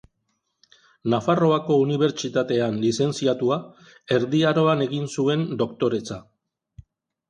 Nafarroako Unibertsitatean lizentziatua, Erdi Aroan egin zuen doktoretza.